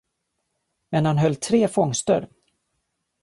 Men han höll tre fångster.